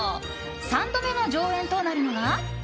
３度目の上演となるのが。